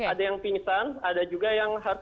ada yang pingsan ada juga yang harus